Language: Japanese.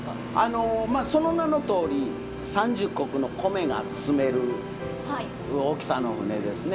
まあその名のとおり三十石の米が積める大きさの船ですね。